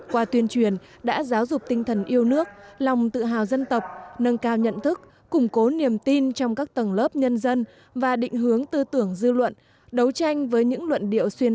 qua tuyên truyền đã giáo dục tinh thần yêu nước lòng tự hào dân tộc nâng cao nhận thức củng cố niềm tin trong các tầng lớp nhân dân và định hướng tư tưởng dư luận